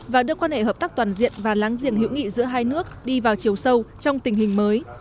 và đưa quan hệ hợp tác toàn diện và láng giềng hữu nghị giữa hai nước đi vào chiều sâu trong tình hình mới